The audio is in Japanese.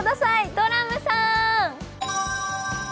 ドラムさーん。